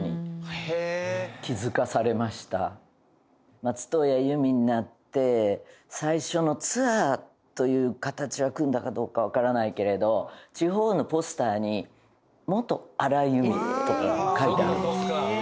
松任谷由実になって最初のツアーという形は組んだかどうかわからないけれど地方のポスターに「“元”荒井由実」とか書いてあるんですよ。